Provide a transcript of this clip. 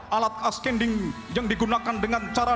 alat askending yang digunakan dengan cara